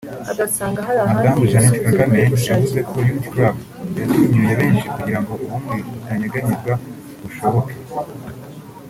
Madamu Jeannette Kagame yavuze ko Unity Club yatinyuye benshi kugira ngo ubumwe butanyeganyezwa bushoboke